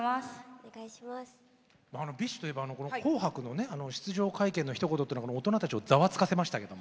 ＢｉＳＨといえば紅白の出場会見でのひと言が大人たちをざわつかせましたけど。